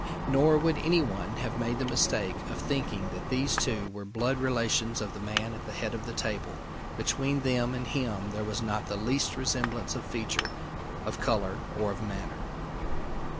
Nor would any one have made the mistake of thinking that these two were blood relations of the man at the head of the table between them and him there was not the least resemblance of feature, of colour, or of manner.